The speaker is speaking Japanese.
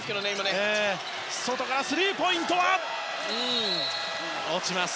スリーポイントは落ちます。